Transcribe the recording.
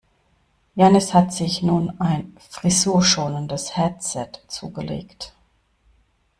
Jannis hat sich nun ein frisurschonendes Headset zugelegt.